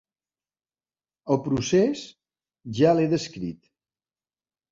El procés ja l'he descrit.